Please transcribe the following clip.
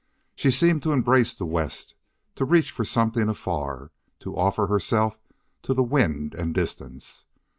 She seemed to embrace the west, to reach for something afar, to offer herself to the wind and distance.